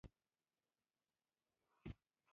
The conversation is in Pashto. دا آخذې د بدن د مختلفو برخو د عضلو د وضعیت خبر ورکوي.